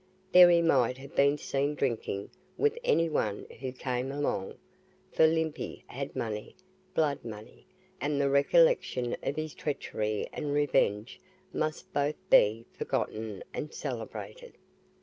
There he might have been seen drinking with any one who came along, for Limpy had money blood money, and the recollection of his treachery and revenge must both be forgotten and celebrated.